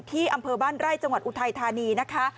อำเภอบ้านไร่จังหวัดอุทัยธานีนะคะ